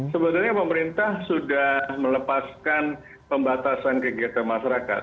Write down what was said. sebenarnya pemerintah sudah melepaskan pembatasan kegiatan masyarakat